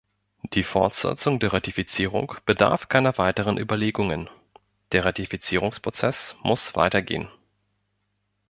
Die Fortsetzung der Ratifizierung bedarf keiner weiteren Überlegungen; der Ratifizierungsprozess muss weitergehen.